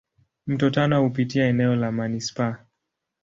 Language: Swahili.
Mto Tana hupitia eneo la manispaa.